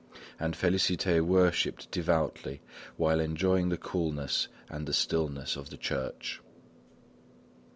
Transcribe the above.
And Félicité worshipped devoutly, while enjoying the coolness and the stillness of the church.